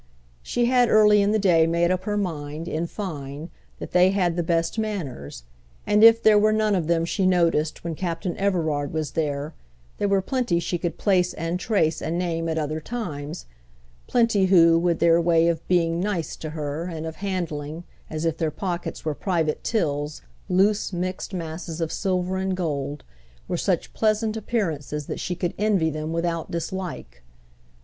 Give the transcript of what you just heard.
She had early in the day made up her mind, in fine, that they had the best manners; and if there were none of them she noticed when Captain Everard was there, there were plenty she could place and trace and name at other times, plenty who, with their way of being "nice" to her, and of handling, as if their pockets were private tills loose mixed masses of silver and gold, were such pleasant appearances that she could envy them without dislike.